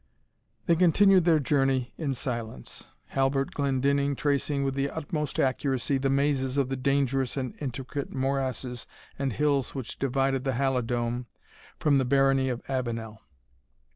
They continued their journey in silence, Halbert Glendinning tracing with the utmost accuracy the mazes of the dangerous and intricate morasses and hills which divided the Halidome from the barony of Avenel.